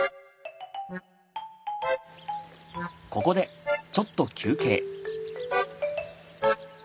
ここでちょっと休憩。